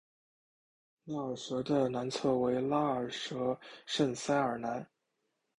拉尔什的南侧为拉尔什圣塞尔南。